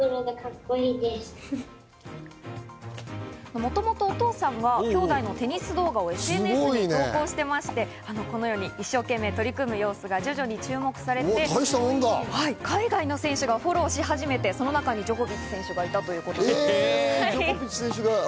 もともとお父さんが兄弟のテニス動画をＳＮＳに投稿してまして、一生懸命取り組む様子が徐々に注目されて、海外の選手がフォローし始めて、その中にジョコビッチ選手がいたということです。